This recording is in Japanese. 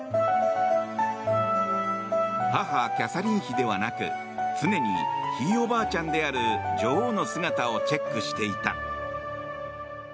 母キャサリン妃ではなく常に、ひいおばあちゃんである女王の姿をチェックしていた。